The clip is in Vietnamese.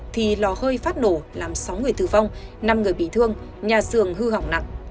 thì lò hơi phát nổ làm sáu người thư vong năm người bị thương nhà xường hư hỏng nặng